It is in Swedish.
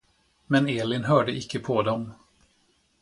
Men Elin hörde icke på dem.